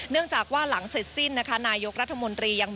เนื่องจากว่าหลังเสร็จสิ้นนะคะ